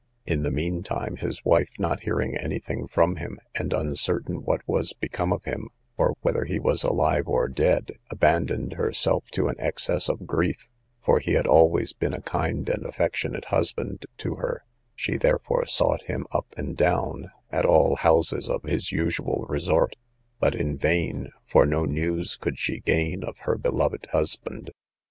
In the mean time, his wife, not hearing any thing from him, and uncertain what was become of him, or whether he was alive or dead, abandoned herself to an excess of grief, for he had always been a kind and affectionate husband to her; she therefore sought him up and down, at all the houses of his usual resort, but in vain, for no news could she gain of her beloved husband.